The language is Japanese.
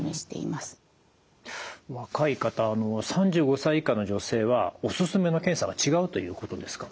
若い方３５歳以下の女性はお勧めの検査が違うということですか。